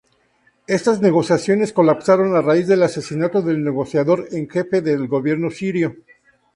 Estas negociaciones colapsaron a raíz del asesinato del negociador en jefe del gobierno sirio.